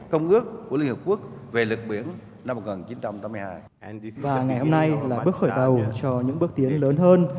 và ngày hôm nay là bước khởi đầu cho những bước tiến lớn hơn